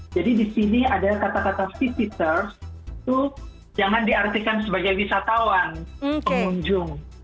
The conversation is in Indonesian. jadi di sini ada kata kata visitors itu jangan diartikan sebagai wisatawan pengunjung